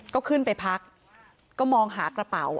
ก็ขึ้นไปพักก็มองหากระเป๋า